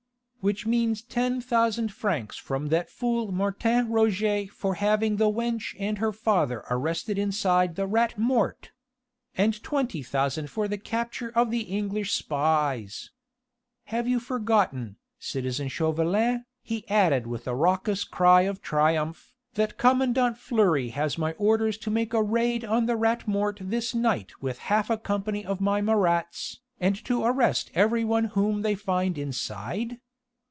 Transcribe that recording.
"Which means ten thousand francs from that fool Martin Roget for having the wench and her father arrested inside the Rat Mort! and twenty thousand for the capture of the English spies.... Have you forgotten, citizen Chauvelin," he added with a raucous cry of triumph, "that commandant Fleury has my orders to make a raid on the Rat Mort this night with half a company of my Marats, and to arrest every one whom they find inside?"